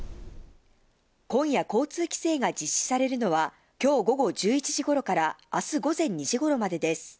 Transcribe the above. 今夜、交通規制が実施されるのは、きょう午後１１時ごろからあす午前２時ごろまでです。